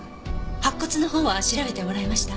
白骨のほうは調べてもらえました？